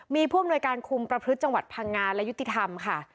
มีผู้อำนวยการคุมประพฤติจังหวัดพังงานและยุติธรรมค่ะ